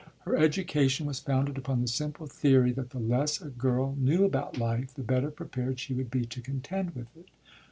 Her education was founded upon the simple theory that the less a girl knew about life, the better prepared she would be to contend with it.